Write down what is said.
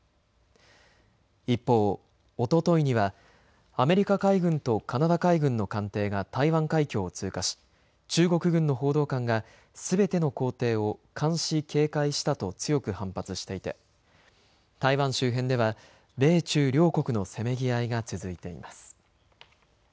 一方、おとといにはアメリカ海軍とカナダ海軍の艦艇が台湾海峡を通過し中国軍の報道官がすべての行程を監視・警戒したと強く反発していて台湾周辺では米中両国のせめぎ合いが続いています。